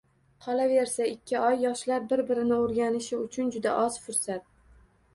Qolaversa, ikki oy yoshlar bir-birini o`rganishi uchun juda oz fursat